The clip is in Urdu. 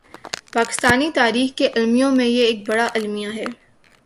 پاکستانی تاریخ کے المیوں میں یہ ایک بڑا المیہ ہے۔